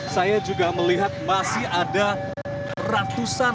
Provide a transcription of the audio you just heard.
saya juga melihat masih ada ratusan